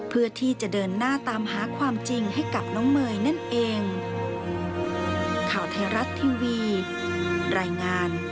เพื่อที่จะเดินหน้าตามหาความจริงให้กับน้องเมย์นั่นเอง